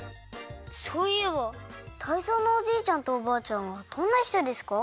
そういえばタイゾウのおじいちゃんとおばあちゃんはどんなひとですか？